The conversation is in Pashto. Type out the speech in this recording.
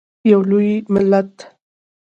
یو لوی ملت.